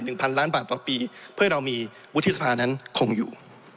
พันล้านบาทต่อปีเพื่อให้เรามีวุฒิสภานั้นคงอยู่